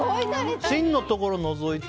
芯のところを除いて？